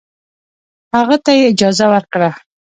هغه ته یې اجازه ورکړه.